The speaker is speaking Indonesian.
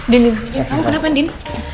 din kamu kenapa din